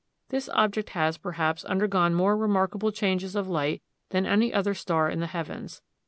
This object has, perhaps, undergone more remarkable changes of light than any other star in the heavens.